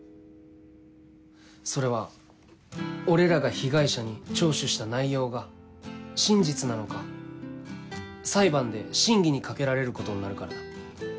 それは俺らが被害者に聴取した内容が真実なのか裁判で審議にかけられることになるからだ。